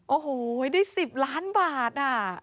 โอ้โหได้๑๐ล้านบาท